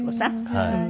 はい。